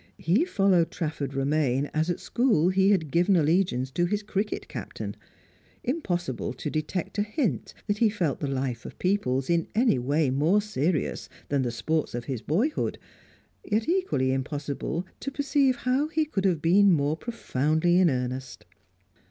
He followed Trafford Romaine as at school he had given allegiance to his cricket captain; impossible to detect a hint that he felt the life of peoples in any way more serious than the sports of his boyhood, yet equally impossible to perceive how he could have been more profoundly in earnest.